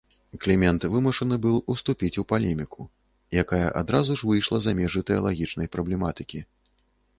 Клімент вымушаны быў уступіць у палеміку, якая адразу ж выйшла за межы тэалагічнай праблематыкі.